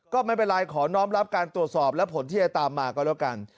ก็ไม่เป็นไรขอน้องรับการตรวจสอบและผลที่จะตามมาก็แล้วกัน